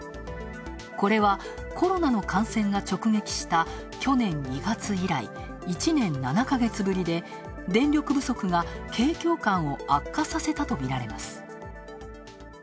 これはコロナの感染が直撃した去年２月以来、１年７か月ぶりで電力不足が景況感を悪化させたとみられます。